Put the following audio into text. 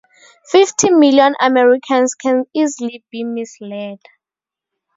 Fifty million Americans can easily be misled.